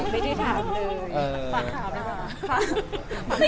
ไม่ได้ถามเลย